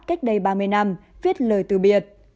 cách đây ba mươi năm viết lời từ biệt